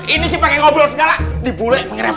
ini sih pakai ngobrol segala dibule pakai repotin